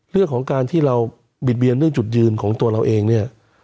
เรื่องของการที่เราบิดเบียนเรื่องจุดยืนของตัวเราเองเนี่ย